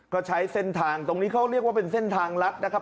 ก็ใช้เส้นทางตรงนี้เขาเรียกว่าเป็นเส้นทางลัดนะครับ